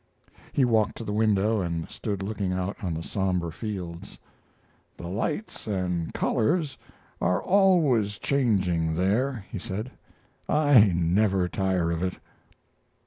He walked to the window and stood looking out on the somber fields. "The lights and colors are always changing there," he said. "I never tire of it."